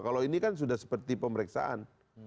kalau ini kan sudah seperti pemeriksaan